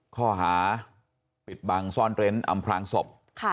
ข้อหาปิดบังซ่อนเร้นอำพลางศพ